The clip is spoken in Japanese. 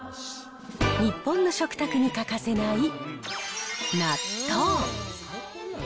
日本の食卓に欠かせない納豆。